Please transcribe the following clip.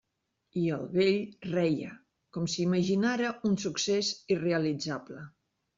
I el vell reia, com si imaginara un succés irrealitzable.